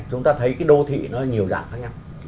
chúng ta thấy cái đô thị nó nhiều dạng khác nhau